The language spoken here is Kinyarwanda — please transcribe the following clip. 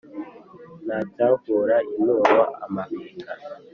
Ntacyavura inturo amabinga